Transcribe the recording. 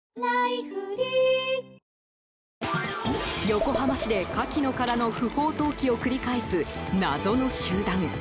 横浜市で、カキの殻の不法投棄を繰り返す謎の集団。